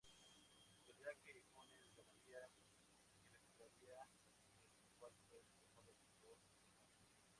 Pelea que Jones ganaría y recuperaría el del cual fue despojado por dopaje.